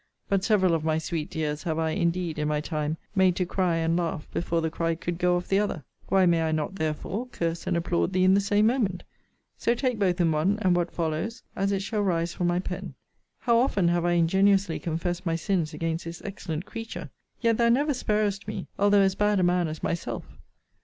But several of my sweet dears have I, indeed, in my time, made to cry and laugh before the cry could go off the other: Why may I not, therefore, curse and applaud thee in the same moment? So take both in one: and what follows, as it shall rise from my pen. * Letters XLVI. XLVII. and XLVIII. of this volume. How often have I ingenuously confessed my sins against this excellent creature? Yet thou never sparest me, although as bad a man as myself.